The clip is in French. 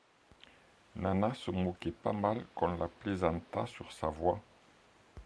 Nana se moquait pas mal qu'on la plaisantât sur sa voix!